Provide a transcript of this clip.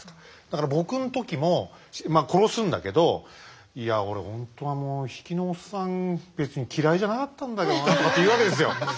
だから僕の時も殺すんだけど「いや俺本当比企のおっさん別に嫌いじゃなかったんだけどなあ」とかって言うわけですよ。